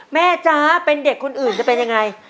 จ๊ะเป็นเด็กคนอื่นจะเป็นยังไง